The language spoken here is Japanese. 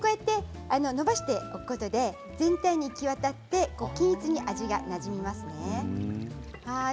のばしておくことで全体に行き渡って均一に味がなじみますね。